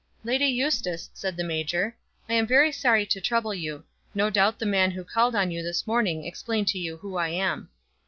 "Lady Eustace," said the major, "I am very sorry to trouble you. No doubt the man who called on you this morning explained to you who I am."